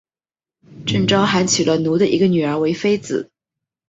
郑昭还娶了努的一个女儿为妃子。